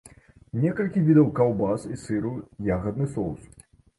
Некалькі відаў каўбас і сыру, ягадны соус.